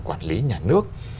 quản lý nhà nước